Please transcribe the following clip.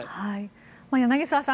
柳澤さん